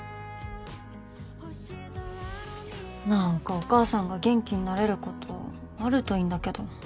何かお母さんが元気になれることあるといいんだけど。